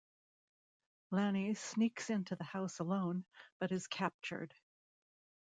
Lannie sneaks into the house alone, but is captured.